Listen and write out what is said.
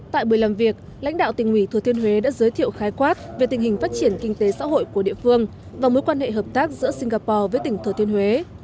tại buổi làm việc lãnh đạo tỉnh ủy thừa thiên huế đã giới thiệu khái quát về tình hình phát triển kinh tế xã hội của địa phương và mối quan hệ hợp tác giữa singapore với tỉnh thừa thiên huế